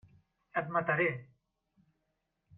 Et mataré!